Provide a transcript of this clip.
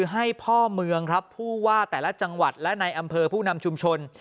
ให้พ่อเมืองครับผู้ว่าแต่ละจังหวัดและในอำเภอผู้นำชุมชน